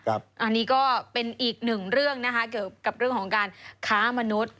อันนี้ก็เป็นอีกหนึ่งเรื่องนะคะเกี่ยวกับเรื่องของการค้ามนุษย์